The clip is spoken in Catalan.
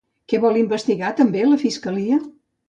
Què vol investigar també la Fiscalia?